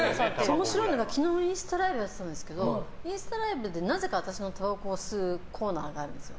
面白いのが昨日インスタライブやってたんですけどインスタライブでなぜか私のたばこを吸うコーナーがあるんですよ。